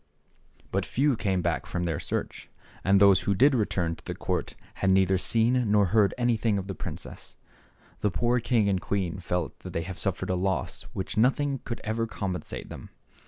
But few came back from their search, and those who did return to the court had neither seen nor heard anything of the prin cess. The poor king and queen felt that they had suffered a loss for which nothing could ever compensate them.